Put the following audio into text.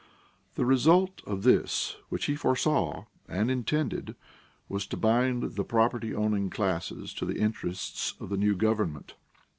The result of this, which he foresaw and intended, was to bind the property owning classes to the interests of the new government.